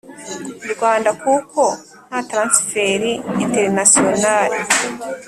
rwanda kuko nta transfert international